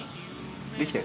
できたよ